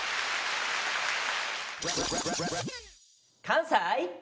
「関西」。